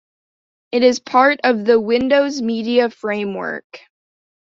It is part of the Windows Media framework.